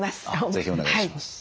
是非お願いします。